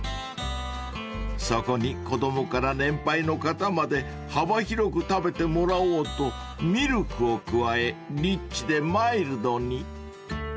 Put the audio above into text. ［そこに子供から年配の方まで幅広く食べてもらおうとミルクを加えリッチでマイルドに］